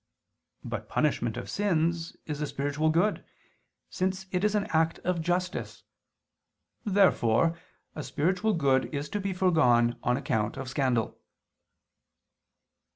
But punishment of sins is a spiritual good, since it is an act of justice. Therefore a spiritual good is to be foregone on account of scandal.